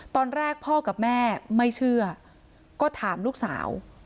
ตอนแรกพ่อกับแม่ไม่เชื่อก็ถามลูกสาว